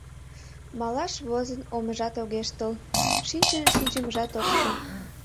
Малаш возын, омыжат огеш тол, шинчын шинчымыжат ок шу.